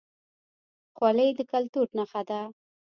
خولۍ د کلتور نښه ده